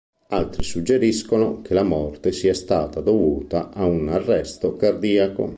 Altri suggeriscono che la morte sia stata dovuta a un Arresto cardiaco.